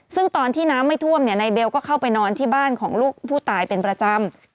ซึ่งตอนที่น้ำไม่ท่วมนายเบลก็เข้าไปนอนที่บ้านของลูกผู้ตายเป็นประจำ